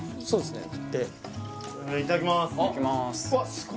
そうです